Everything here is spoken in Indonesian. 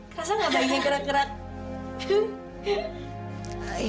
kerasa nggak bayinya gerak gerak